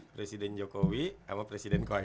presiden jokowi sama presiden koi